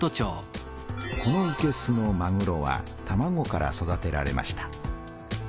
このいけすのまぐろはたまごから育てられました。